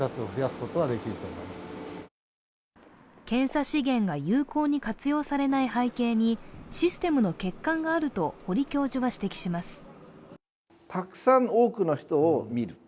検査資源が有効に活用されない背景にシステムの欠陥があると堀教授は指摘します。